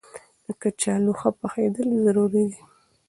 د کچالو ښه پخېدل ضروري دي.